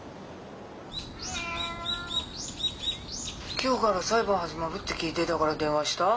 今日がら裁判始まるって聞いでたから電話したぁ。